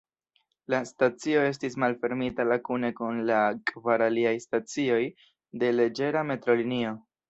La stacio estis malfermita la kune kun la kvar aliaj stacioj de leĝera metrolinio.